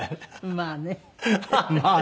まあね。